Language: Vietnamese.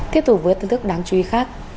tiếp tục với thông thức đáng chú ý khác